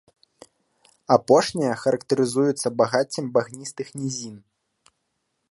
Апошняя характарызуецца багаццем багністых нізін.